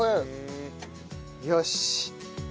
よし。